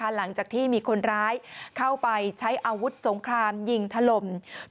หลังจากที่มีคนร้ายเข้าไปใช้อาวุธสงครามยิงถล่ม